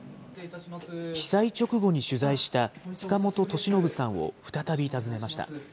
被災直後に取材した塚本俊信さんを再び訪ねました。